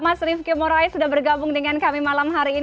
mas rifqim morai sudah bergabung dengan kami